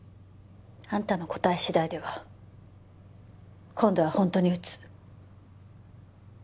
あんたの答え次第では今度は本当に撃つ。